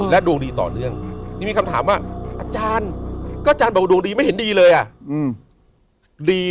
ดวงดีต่อเนื่องนี่มีคำถามว่าอาจารย์ก็อาจารย์บอกว่าดวงดีไม่เห็นดีเลยอ่ะ